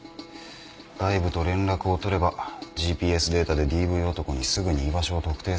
外部と連絡を取ればＧＰＳデータでＤＶ男にすぐに居場所を特定される。